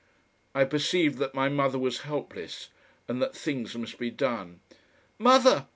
I perceived that my mother was helpless and that things must be done. "Mother!"